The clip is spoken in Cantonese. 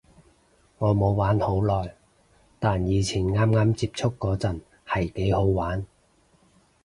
我冇玩好耐，但以前啱啱接觸嗰陣係幾好玩